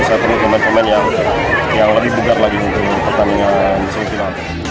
saya penuhi pemain pemain yang lebih bugat lagi untuk pertandingan di semifinal